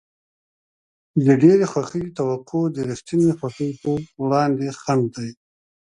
د ډېرې خوښۍ توقع د رښتینې خوښۍ په وړاندې خنډ دی.